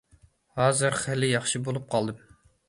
ھازىر خېلى ياخشى بولۇپ قالدىم.